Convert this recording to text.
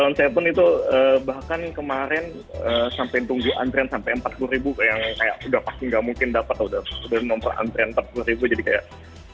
salon seven itu bahkan kemarin sampai tunggu antre sampai empat puluh ribu yang kayak udah pasti nggak mungkin dapat